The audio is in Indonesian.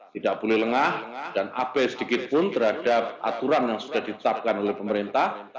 tidak boleh lengah dan abai sedikitpun terhadap aturan yang sudah ditetapkan oleh pemerintah